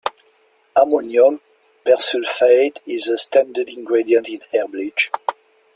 Ammonium persulfate is a standard ingredient in hair bleach.